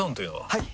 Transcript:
はい！